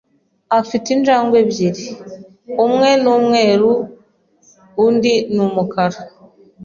Afite injangwe ebyiri. Umwe ni umweru undi ni umukara.